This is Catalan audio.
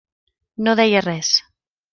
No deia res.